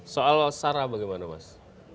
soal sarah bagaimana mas